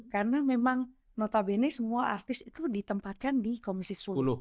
karena memang notabene semua artis itu ditempatkan di komisi sepuluh